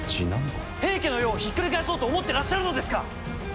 平家の世をひっくり返そうと思ってらっしゃるのですか！